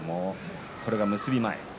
これが結び前。